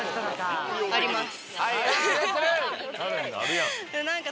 あります。